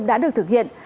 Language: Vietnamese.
đã được thực hiện